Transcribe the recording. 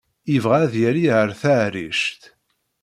Yebɣa ad yali ar taɛrict.